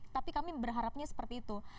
tapi kami berharapnya seperti itu